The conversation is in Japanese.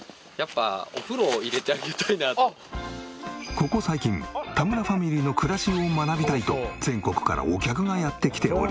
ここ最近田村ファミリーの暮らしを学びたいと全国からお客がやって来ており。